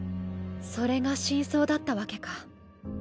それが真相だったわけか。